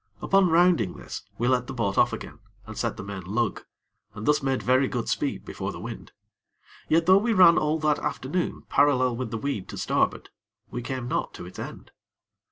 Upon rounding this, we let the boat off again, and set the main lug, and thus made very good speed before the wind. Yet though we ran all that afternoon parallel with the weed to starboard, we came not to its end.